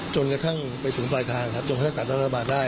จนกระทั่งไปถึงปลายทางครับจนกระทั่งตัดรัฐบาลได้